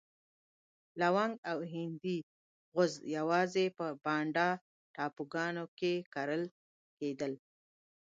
لونګ او هندي غوز یوازې په بانډا ټاپوګانو کې کرل کېدل.